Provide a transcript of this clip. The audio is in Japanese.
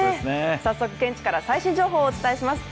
早速、現地から最新情報をお伝えします。